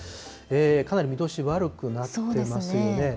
かなり見通し悪くなってますよね。